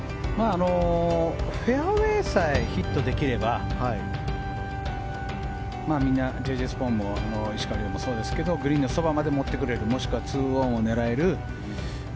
フェアウェーさえヒットできればみんなＪ・Ｊ・スポーンも石川遼もそうですがグリーンのそばまで持ってこれるもしくは２オンを狙える